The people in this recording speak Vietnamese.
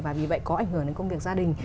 và vì vậy có ảnh hưởng đến công việc gia đình